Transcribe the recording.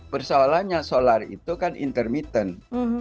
persoalannya solar itu kan intermittent